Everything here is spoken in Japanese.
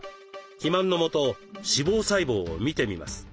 肥満のもと脂肪細胞を見てみます。